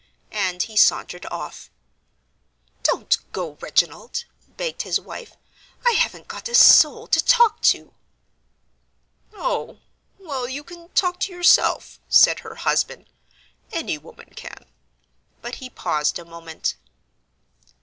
And he sauntered off. "Don't go, Reginald," begged his wife; "I haven't got a soul to talk to." "Oh, well, you can talk to yourself," said her husband, "any woman can." But he paused a moment.